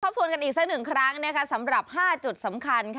ชวนกันอีกสักหนึ่งครั้งสำหรับ๕จุดสำคัญ